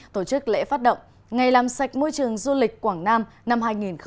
tổ chức lễ phát động ngày làm sạch môi trường du lịch quảng nam năm hai nghìn hai mươi